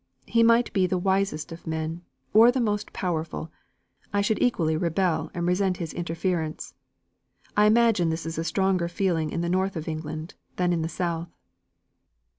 He might be the wisest of men or the most powerful I should equally rebel and resent his interference. I imagine this is a stronger feeling in the North of England than in the South."